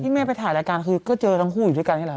ที่แม่ไปถ่ายรายการคือเจอทั้งคู่อยู่ด้วยกันไหมครับ